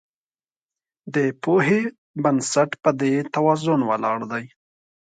د پوهې بنسټ په دې توازن ولاړ دی.